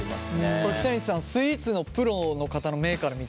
これ北西さんスイーツのプロの方の目から見ていかがですかこれ。